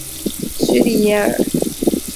屈里耶尔。